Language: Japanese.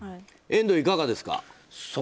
遠藤、いかがですか？